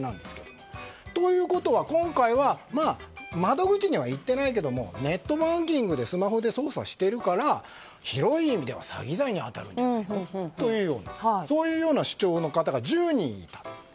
今回は窓口に行っていないけどネットバンキングでスマホで操作しているから広い意味では詐欺罪に当たるそういう主張の方が１０人いた。